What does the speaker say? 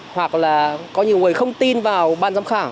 hoặc là có nhiều người không tin vào ban giám khảo